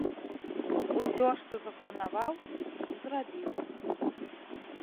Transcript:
Усё, што запланаваў, зрабіў.